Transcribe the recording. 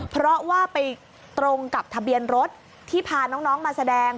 เพราะว่าไปตรงกับทะเบียนรถที่พาน้องมาแสดง